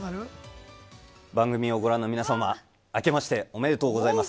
番組をご覧の皆様あけましておめでとうございます。